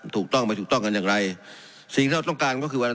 ถูกต้องไม่ถูกต้องกันอย่างไรสิ่งที่เราต้องการก็คือวัน